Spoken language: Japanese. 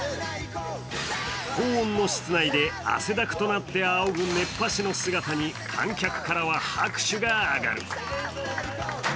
高音の室内で汗だくとなってあおぐ熱波師の姿に観客からは拍手が上がる。